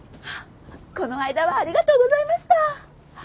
あっこの間はありがとうございました。